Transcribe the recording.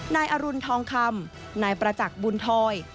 นายอรุณทองคำนายประจักษ์บุญทอย